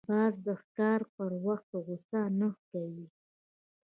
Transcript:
باز د ښکار پر وخت غوسه نه کوي